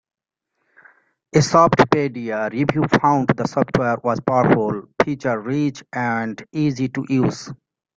A Softpedia review found the software was powerful, feature rich and easy to use.